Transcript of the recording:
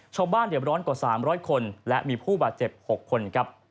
ชาวบ้านเหลี่ยมร้อนกว่า๓๐๐คนและมีผู้บาดเจ็บ๖คน